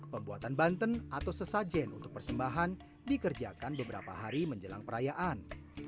pembuatan banten atau sesajen untuk persembahan dikerjakan beberapa hari menjelang perayaan